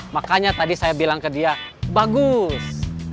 makanya tadi saya bilang ke dia bagus